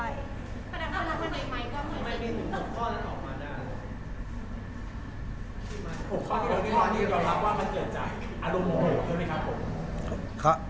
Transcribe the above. ไม่มีถึงหกข้อนั้นออกมาได้หกข้อนี้ยังยอมรับว่ามันเกิดจ่ายอารมณ์มันเกิดจ่ายได้ไหมครับผม